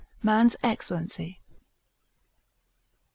Man's Excellency.